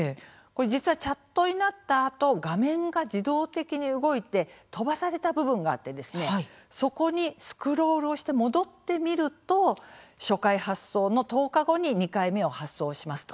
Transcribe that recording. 実は、チャットになったあとに画面が自動的に動いて飛ばされた部分があってそこにスクロールをして戻ってみると初回発送の１０日後に２回目を発送しますと。